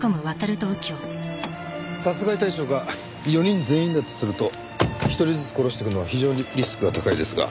殺害対象が４人全員だとすると１人ずつ殺していくのは非常にリスクが高いですが。